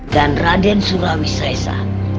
dan raden surawi sesa